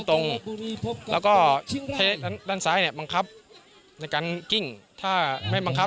ผมจากนี้ก็กำลังทำถ่ายพวกมันมากแต่นังครับ